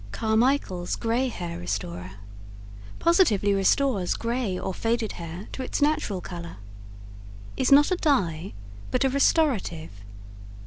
CARMICHAEL'S GRAY HAIR RESTORER Positively Restores Gray or Faded Hair to Its Natural Color Is not a Dye, but a Restorative.